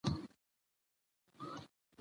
په نبوی حادثو کی هم راغلی دی